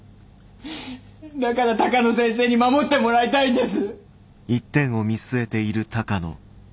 だから鷹野先生に守ってもらいたいんです！